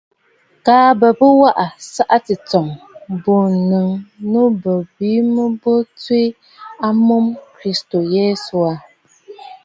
Kaa mbə bɨ waꞌǎ ɨsaꞌa tsɨ̂tsɔ̀ŋ bû ǹnɨŋ a nu bə̀ bìi mə bɨ tswe a mum Kristo Yesu aà.